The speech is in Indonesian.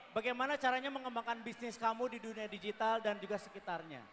bagaimana caranya mengembangkan bisnis kamu di dunia digital dan juga sekitarnya